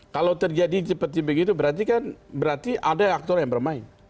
kalau terjadi seperti begitu berarti kan berarti ada aktor yang bermain